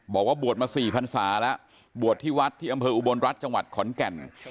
บอกว่าบวชมา๔พันศาแล้วบวชที่วัดที่อำเภออุบลรัฐจังหวัดขอนแก่น